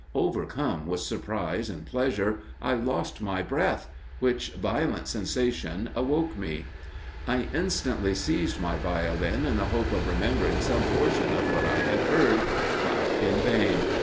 Overcome with surprise and pleasure, I lost my breath, which violent sensation awoke me. I instantly seized my Violin in the hope of remembering some portion of what I had heard, but in vain.